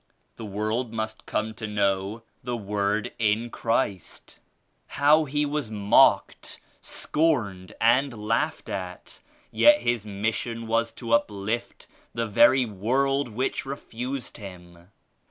The world must come to know the Word in Christ. How He was mocked, scorned and laughed at, yet His mission was to uplift the very world which re fused Him.